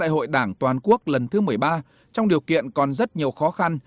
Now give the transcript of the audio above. đại hội đảng toàn quốc lần thứ một mươi ba trong điều kiện còn rất nhiều khó khăn